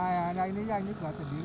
ya ini buat sendiri